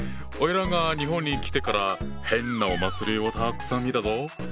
おいらが日本に来てから変なお祭りをたくさん見たぞ！